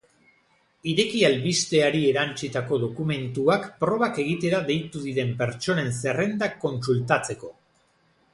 Ireki albisteari erantsitako dokumentuak probak egitera deitu diren pertsonen zerrendak kontsultatzeko.